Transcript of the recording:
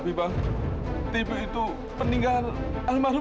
didantar juga delivering al got salah asuk